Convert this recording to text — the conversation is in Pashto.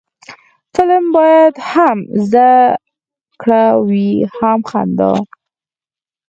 فلم باید هم زده کړه وي، هم خندا